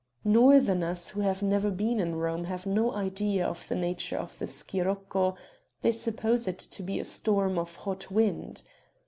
Northerners who have never been in Rome have no idea of the nature of the scirocco; they suppose it to be a storm of hot wind.